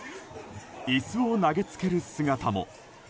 椅子を投げつける姿も。